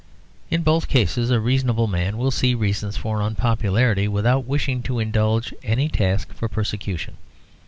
In both cases a reasonable man will see reasons for unpopularity, without wishing to indulge any task for persecution.